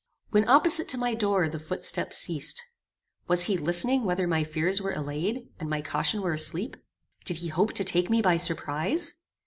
When opposite to my door the footsteps ceased. Was he listening whether my fears were allayed, and my caution were asleep? Did he hope to take me by surprize?